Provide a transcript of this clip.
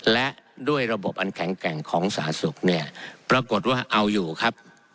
และด้วยระบบอันแข็งแกร่งของสาธารณสุขเนี่ยปรากฏว่าเอาอยู่ครับ